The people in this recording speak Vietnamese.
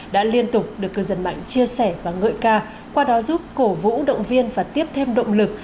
đã liên tục được cư dân mạng chia sẻ và ngợi ca qua đó giúp cổ vũ động viên và tiếp thêm động lực